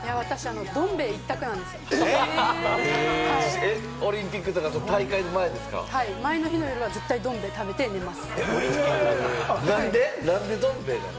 私、どん兵衛、一択なんですオリンピックとか大会の前で前の日の夜は絶対、どん兵衛食べて寝ます。